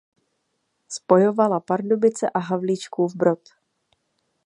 Spojovala Pardubice a Havlíčkův Brod.